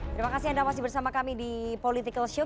terima kasih anda masih bersama kami di politikalshow